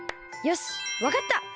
よしわかった。